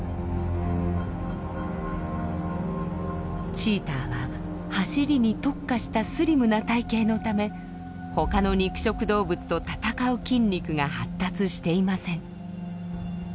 チーターは走りに特化したスリムな体型のため他の肉食動物と戦う筋肉が発達していません。